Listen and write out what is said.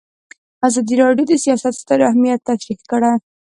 ازادي راډیو د سیاست ستر اهميت تشریح کړی.